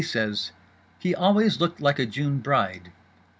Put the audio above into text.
says: "He always looked like a June bride."